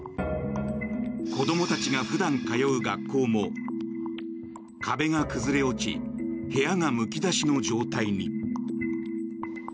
子供たちが普段通う学校も壁が崩れ落ち部屋がむき出しの状態に。